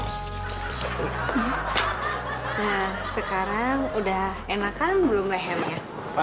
nah sekarang udah enakan belum lehernya